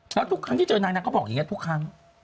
แล้วทุกครั้งที่เจอนางนางก็บอกอย่างนี้ทุกครั้ง